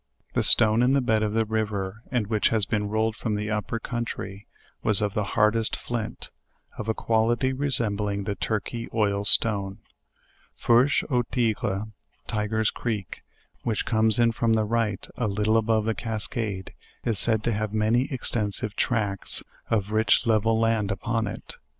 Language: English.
The stone in the bed of the river, and which has been rolled from the upper country, was of the hardest flint; or of a quality resembling the Turkey oil stone. "Fourche a.u Tigre," (Tiger's creek,) which comes in from the right, a little above the cascade, is said to have many extensive tracts of rich level land upon it.